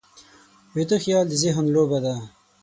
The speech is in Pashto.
ویده خیال د ذهن لوبه ده